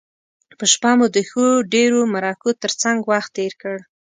په شپه مو د ښو ډیرو مرکو تر څنګه وخت تیر کړ.